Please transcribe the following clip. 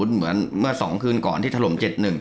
เหมือนเมื่อ๒คืนก่อนที่ถล่ม๗๑